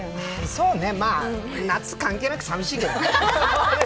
そうね、まあ夏関係なく寂しいけどね。